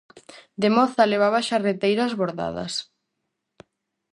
De moza levaba xarreteiras bordadas.